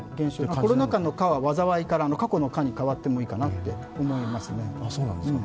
コロナ禍の「禍」は禍から過去の過に変わってもいいと思っています。